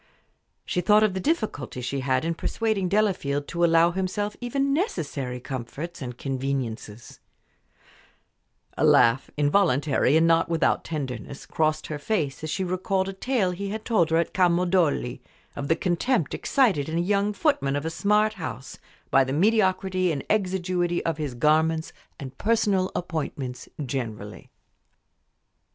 She thought of the difficulty she had in persuading Delafield to allow himself even necessary comforts and conveniences; a laugh, involuntary, and not without tenderness, crossed her face as she recalled a tale he had told her at Camaldoli, of the contempt excited in a young footman of a smart house by the mediocrity and exiguity of his garments and personal appointments generally.